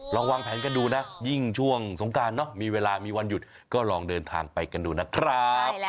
วางแผนกันดูนะยิ่งช่วงสงการเนอะมีเวลามีวันหยุดก็ลองเดินทางไปกันดูนะครับ